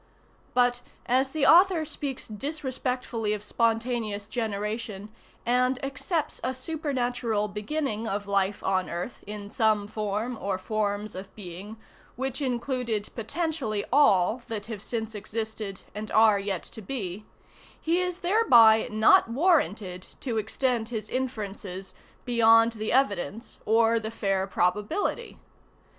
"But, as the author speaks disrespectfully of spontaneous generation, and accepts a supernatural beginning of life on earth, in some form or forms of being which included potentially all that have since existed and are yet to be, he is thereby not warranted to extend his inferences beyond the evidence or the fair probability.